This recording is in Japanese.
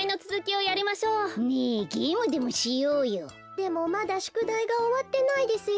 でもまだしゅくだいがおわってないですよ。